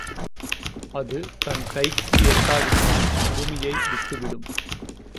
அது தன் கைக்கு எட்டாவிட்டால் குடுமியை விட்டுவிடும்.